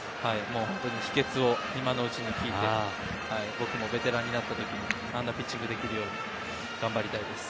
秘訣を今のうちに聞いて僕もベテランになった時にあんなピッチングをできるように頑張りたいです。